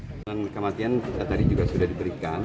kematian tadi juga sudah diberikan